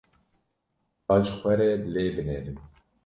Ka ji xwe re lê binêrin.